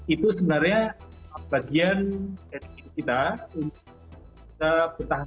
itu sebenarnya bagian dari kita untuk bertahan